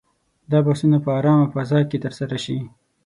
دا بحثونه په آرامه فضا کې ترسره شي.